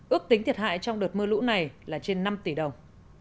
ước tính thiệt hại trong đợt mưa lũ này là trên năm tỷ đồng